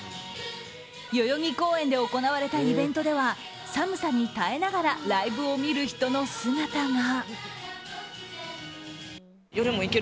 代々木公園で行われたイベントでは寒さに耐えながらライブを見る人の姿が。